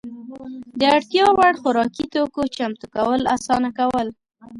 د اړتیا وړ خوراکي توکو چمتو کول اسانه کول.